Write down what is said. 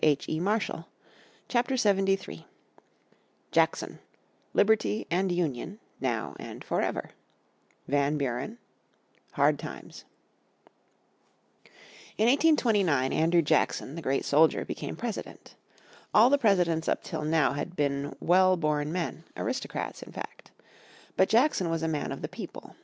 __________ Chapter 73 Jackson "Liberty and Union, Now and Forever" Van Buren Hard Times In 1829 Andrew Jackson, the great soldier, became President. All the presidents up till now had been well born men, aristocrats, in fact. But Jackson was a man of the people.